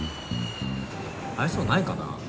愛想ないかな？